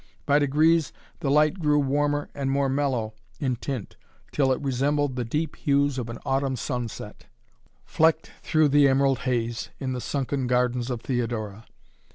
By degrees the light grew warmer and more mellow in tint till it resembled the deep hues of an autumn sunset, flecked through the emerald haze, in the sunken gardens of Theodora.